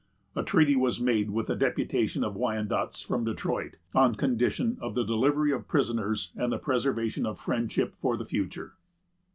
A treaty was next made with a deputation of Wyandots from Detroit, on condition of the delivery of prisoners, and the preservation of friendship for the future.